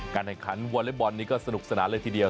แห่งขวอเล็กบอลนี้ก็สนุกสนานเลยทีเดียว